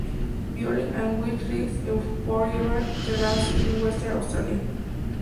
Biology and weed risk of Euphorbia terracina in Western Australia.